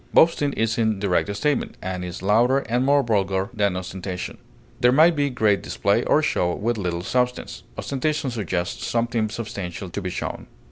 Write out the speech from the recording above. Boasting is in direct statement, and is louder and more vulgar than ostentation. There may be great display or show with little substance; ostentation suggests something substantial to be shown.